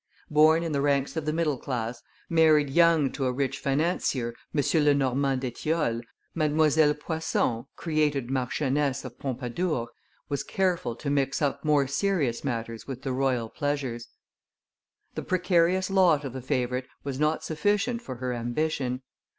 Born in the ranks of the middle class, married young to a rich financier, M. Lenormant d'Etioles, Mdlle. Poisson, created Marchioness of Pompadour, was careful to mix up more serious matters with the royal pleasures. The precarious lot of a favorite was not sufficient for her ambition.